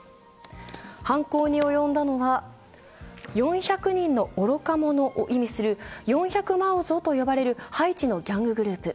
犯行に及んだのは４００人の愚か者を意味する４００マオゾと呼ばれるハイチのギャンググループ。